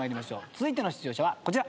続いての出場者はこちら。